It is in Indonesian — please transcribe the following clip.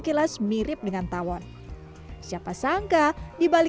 radar tersebut juga telah dimanfaatkan untuk helisan celing atau pergerakan hewan mulut